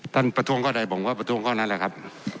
ประท้วงข้อใดผมก็ประท้วงข้อนั้นแหละครับ